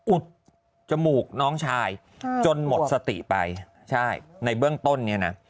อุดจมูกน้องชายจนหมดสติไปใช่ในเบื้องต้นเนี่ยนะ